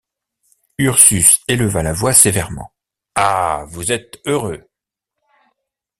Ursus éleva la voix sévèrement: — Ah! vous êtes heureux.